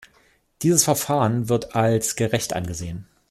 Dieses Verfahren wird als gerecht angesehen.